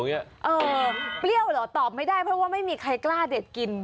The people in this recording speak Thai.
เปรี้ยวเหรอตอบไม่ได้เพราะว่าไม่มีใครกล้าเด็ดกิน